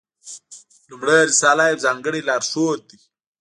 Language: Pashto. لومړۍ رساله یو ځانګړی لارښود دی.